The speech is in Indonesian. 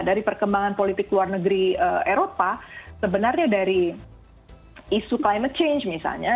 dari perkembangan politik luar negeri eropa sebenarnya dari isu climate change misalnya